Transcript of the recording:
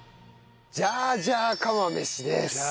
ジャージャー釜飯。